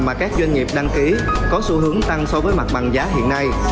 mà các doanh nghiệp đăng ký có xu hướng tăng so với mặt bằng giá hiện nay